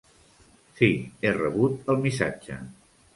Sí, he rebut el missatge!